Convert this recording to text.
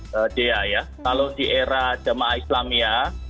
kalau di era jamaah islam ya